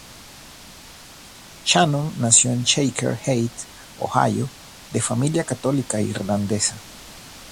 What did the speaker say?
Shannon nació en Shaker Heights, Ohio, de familia católica irlandesa.